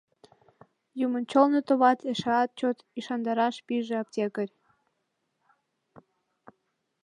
— Юмончылно-товат, — эшеат чот ӱшандараш пиже аптекарь.